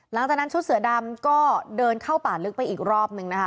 หลังจากนั้นชุดเสือดำก็เดินเข้าป่าลึกไปอีกรอบนึงนะคะ